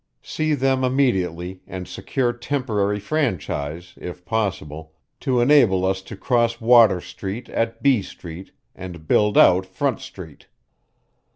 See them immediately and secure temporary franchise, if possible, to enable us to cross Water Street at B Street and build out Front Street.